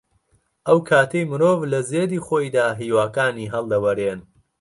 ئەو کاتەی مرۆڤ لە زێدی خۆیدا هیواکانی هەڵدەوەرێن